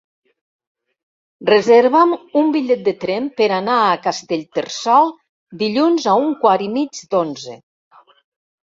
Reserva'm un bitllet de tren per anar a Castellterçol dilluns a un quart i mig d'onze.